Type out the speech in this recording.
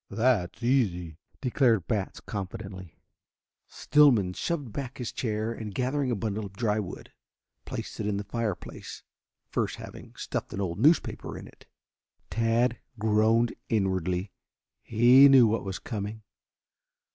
"That's easy," declared Batts confidently. Stillman shoved back his chair, and, gathering a bundle of dry wood, placed it in the fireplace, first having stuffed an old newspaper in. Tad groaned inwardly. He knew what was coming.